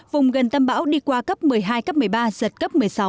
vùng gần tâm bão đi qua cấp một mươi hai cấp một mươi ba giật cấp một mươi sáu